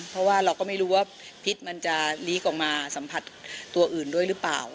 เพราะว่าเราก็ไม่รู้ว่าพิษมันจะลีกออกมาสัมผัสตัวอื่นด้วยหรือเปล่า